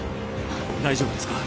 大丈夫ですか？